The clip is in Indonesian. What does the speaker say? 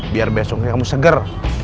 biar besongnya kamu seger